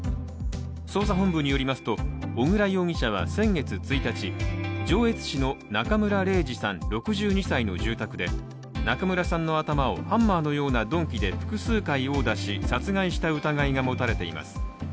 捜査本部によりますと小倉容疑者は先月１日、上越市の中村礼治さん６２歳の住宅で中村さんの頭をハンマーのような鈍器で複数回殴打し殺害した疑いが持たれています。